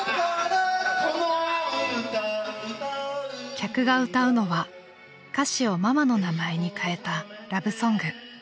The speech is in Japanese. ［客が歌うのは歌詞をママの名前にかえたラブソング］